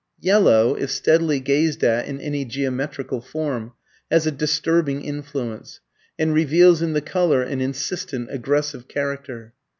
Yellow, if steadily gazed at in any geometrical form, has a disturbing influence, and reveals in the colour an insistent, aggressive character.